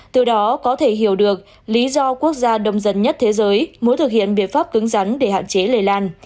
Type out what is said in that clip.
từ đó có thể hiểu được lý do quốc gia đông dân nhất thế giới muốn thực hiện biện pháp cứng rắn để hạn chế lây lan